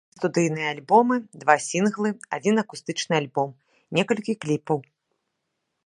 Выдаў тры студыйныя альбомы, два сінглы, адзін акустычны альбом, некалькі кліпаў.